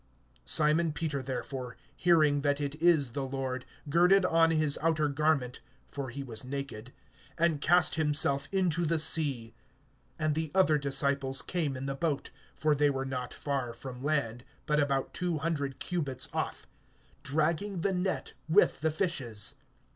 Simon Peter therefore, hearing that it is the Lord, girded on his outer garment (for he was naked), and cast himself into the sea. (8)And the other disciples came in the boat (for they were not far from land, but about two hundred cubits off), dragging the net with the fishes.